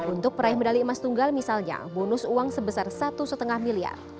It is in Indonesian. untuk peraih medali emas tunggal misalnya bonus uang sebesar satu lima miliar